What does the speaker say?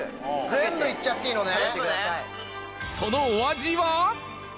全部いっちゃっていいのね。